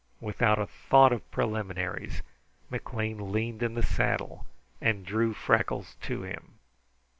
Without a thought of preliminaries, McLean leaned in the saddle and drew Freckles to him.